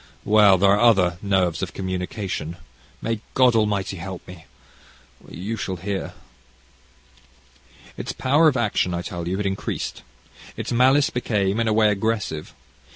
well there are other nerves of communication. May God Almighty help me! You shall hear. "Its power of action, I tell you, had increased. Its malice became, in a way, aggressive.